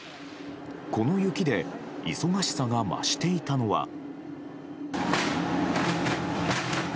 この雪で忙しさが増していたのは。